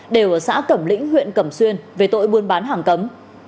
đều ở xã cẩm lĩnh huyện cẩm xuyên về tội buôn bán hàng cấm